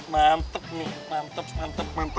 mantep nih mantep mantep mantep